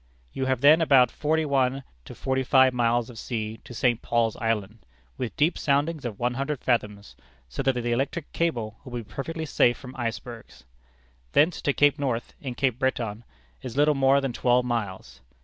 You have then about forty one to forty five miles of sea to St. Paul's Island, with deep soundings of one hundred fathoms, so that the electric cable will be perfectly safe from icebergs. Thence to Cape North, in Cape Breton, is little more than twelve miles.